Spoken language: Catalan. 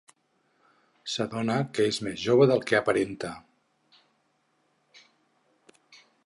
S'adona que és més jove del que aparenta.